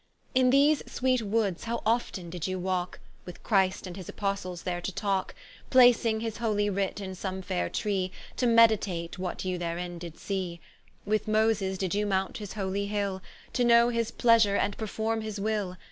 In these sweet woods how often did you walke, With Christ and his Apostles there to talke; Placing his holy Writ in some faire tree, To meditate what you therein did see: With Moyses you did mount his holy Hill, To knowe his pleasure, and performe his Will.